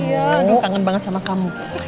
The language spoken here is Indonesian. aduh kangen banget sama kamu